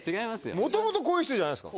もともとこういう人じゃないんですか？